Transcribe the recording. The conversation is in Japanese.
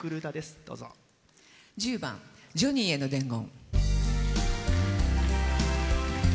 １０番「ジョニィへの伝言」。